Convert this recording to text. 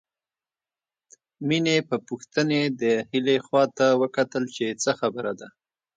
مينې په پوښتنې د هيلې خواته وکتل چې څه خبره ده